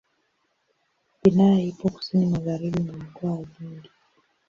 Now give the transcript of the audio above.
Wilaya ipo kusini magharibi mwa Mkoa wa Lindi.